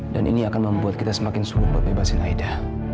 dan ini akan membuat kita semakin sungguh buat bebasin aida